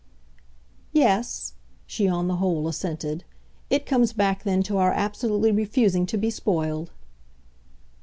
"Yes" she on the whole assented. "It comes back then to our absolutely refusing to be spoiled."